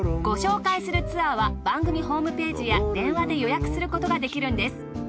ご紹介するツアーは番組ホームページや電話で予約することができるんです。